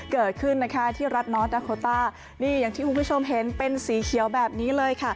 เกิดขึ้นนะคะที่รัฐนอร์ดเนอร์โคตาร์ที่คุณผู้ชมเห็นเป็นสีเขียวแบบนี้เลย